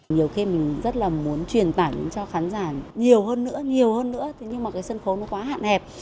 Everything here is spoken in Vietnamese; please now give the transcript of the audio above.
nhiều khi mình rất là muốn truyền tải đến cho khán giả nhiều hơn nữa nhiều hơn nữa nhưng mà cái sân khấu nó quá hạn hẹp